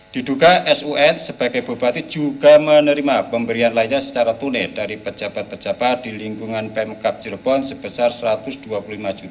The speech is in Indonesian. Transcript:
diduga sun sebagai bupati juga menerima pemberian lainnya secara tunai dari pejabat pejabat di lingkungan pemkap cirebon sebesar rp satu ratus dua puluh lima juta